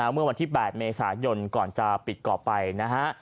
เมื่อวันที่๘เมษายนก่อนจะปิดก่อไปนะฮะ